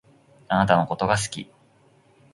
あなたのことが好き。